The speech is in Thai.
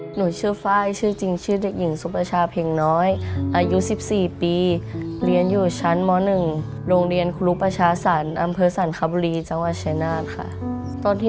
หนูชื่อไฟร์ชื่อจิง